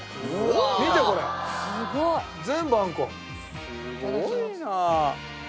すごいな。